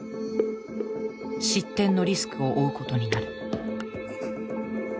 失点のリスクを負うことになる。